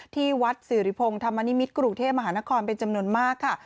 ที่วัดสิริพงศ์ธรรมนิมิตรกรุงเทพมหานครเป็นจำนวนมากค่ะ